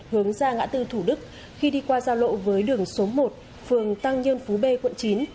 hướng ra ngã tư thủ đức khi đi qua giao lộ với đường số một phường tăng nhân phú b quận chín